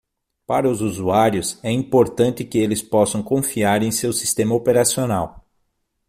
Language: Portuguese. Para os usuários, é importante que eles possam confiar em seu sistema operacional.